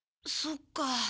そっか。